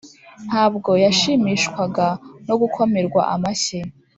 ntabwo yashimishwaga no gukomerwa amashyi,